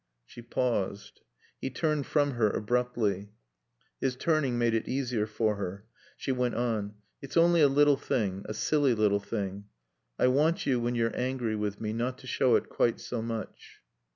She paused. He turned from her abruptly. His turning made it easier for her. She went on. "It's only a little thing a silly little thing. I want you, when you're angry with me, not to show it quite so much."